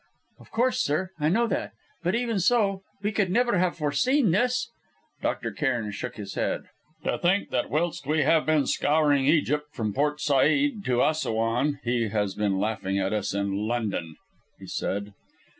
"Of course, sir, I know that. But even so we could never have foreseen this." Dr. Cairn shook his head. "To think that whilst we have been scouring Egypt from Port Said to Assouan he has been laughing at us in London!" he said.